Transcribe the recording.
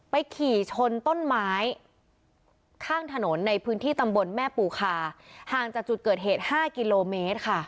ขี่ชนต้นไม้ข้างถนนในพื้นที่ตำบลแม่ปูคาห่างจากจุดเกิดเหตุ๕กิโลเมตรค่ะ